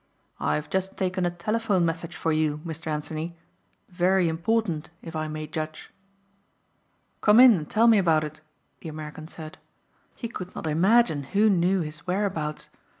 "I've just taken a telephone message for you, Mr. Anthony, very important if I may judge." "Come in and tell me about it," the American said. He could not imagine who knew his whereabouts.